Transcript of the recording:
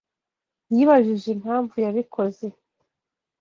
Yibajije impamvu yabikoze.